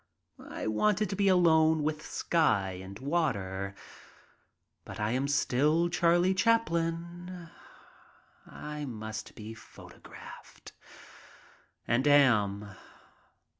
I wanted to be alone with sky and water. But I am still Charlie Chaplin. I must be photographed — and am.